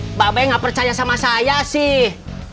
mbak be gak percaya sama saya sih